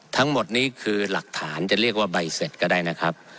ทั้งหมดนี้คือหลักฐานจะเรียกว่าใบเสร็จก็ได้นะครับ